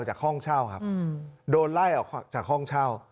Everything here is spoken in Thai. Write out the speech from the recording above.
จากห้องเช่าครับโดนไล่ออกจากห้องเช่า